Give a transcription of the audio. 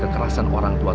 aku mau makan pak